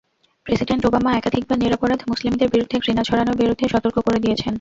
President Obama একাধিকবার নিরপরাধ মুসলিমদের বিরুদ্ধে ঘৃণা ছড়ানোর বিরুদ্ধে সতর্ক করে দিয়েছেন।